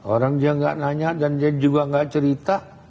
orang dia gak nanya dan dia juga gak cerita